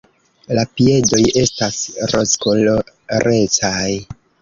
La piedoj estas rozkolorecaj.